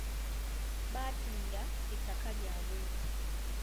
Baatunda ettaka lyabwe.